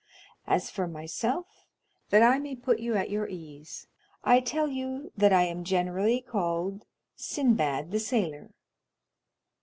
As for myself, that I may put you at your ease, I tell you that I am generally called 'Sinbad the Sailor.